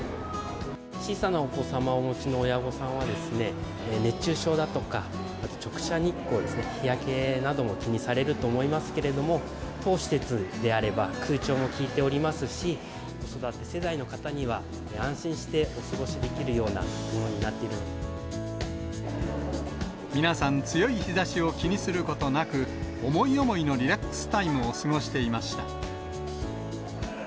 小さなお子様をお持ちの親御さんは、熱中症だとか、あと直射日光ですね、日焼けなども気にされると思いますけれども、当施設であれば、空調も効いておりますし、子育て世代の方には安心してお過ごしできるようなものになってい皆さん、強い日ざしを気にすることなく、思い思いのリラックスタイムを過ごしていました。